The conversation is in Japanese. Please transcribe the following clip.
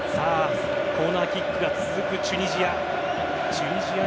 コーナーキックが続くチュニジア。